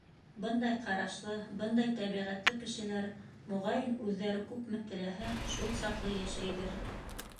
Бындай ҡарашлы, бындай тәбиғәтле кешеләр, моғайын, үҙҙәре күпме теләһә, шул саҡлы йәшәйҙер.